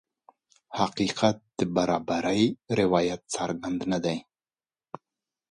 حقیقت د برابرۍ روایت څرګند نه دی.